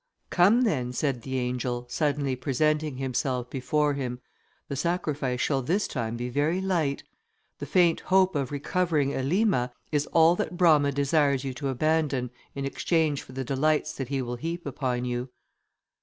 "Come, then," said the angel, suddenly presenting himself before him, "the sacrifice shall this time be very light. The faint hope of recovering Elima, is all that Brama desires you to abandon, in exchange for the delights that he will heap upon you."